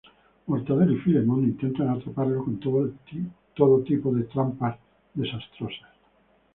Mortadelo y Filemón intentan atraparlo con todo tipo de trampas desastrosas.